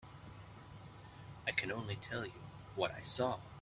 I can only tell you what I saw.